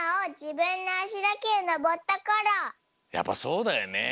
やっぱそうだよね。